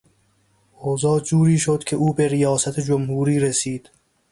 اوضاع جوری شد که او به ریاست جمهوری رسید.